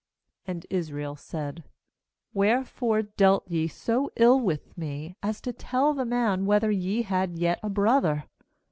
6And Israel said: 'Wherefore dealt ye so ill with me, as to tell the man whether ye had yet a brother?'